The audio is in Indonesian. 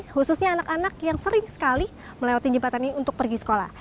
khususnya anak anak yang sering sekali melewati jembatan ini untuk pergi sekolah